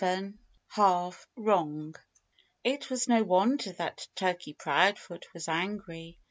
VII HALF WRONG It was no wonder that Turkey Proudfoot was angry.